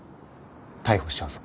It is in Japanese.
『逮捕しちゃうぞ』。